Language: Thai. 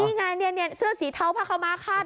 นี่ไงนี่นี่เสื้อสีเทาพระคมาฆาต